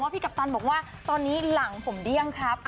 กัปตันบอกว่าตอนนี้หลังผมเดี้ยงครับ